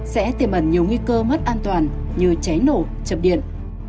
sẽ tiềm ẩn nhiều nguy cơ mất an toàn như cháy nổ chập điện